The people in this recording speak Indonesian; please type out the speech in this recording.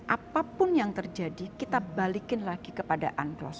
apapun yang terjadi kita balikin lagi kepada unclos